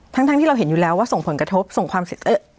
ทั้งที่เราเห็นอยู่แล้วว่าส่งผลกระทบส่งความเสร็จ